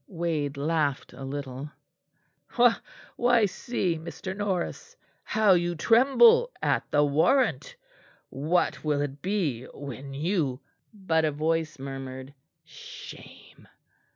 Wade laughed a little. "Why, see, Mr. Norris, how you tremble at the warrant; what will it be when you " But a voice murmured "Shame!"